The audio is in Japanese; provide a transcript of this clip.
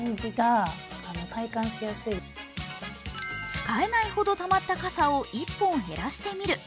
使えないほどたまった傘を１本減らしてみる。